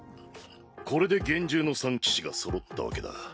これで幻獣の三騎士がそろったわけだ。